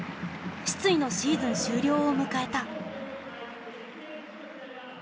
失意のシーズン終了を迎えた。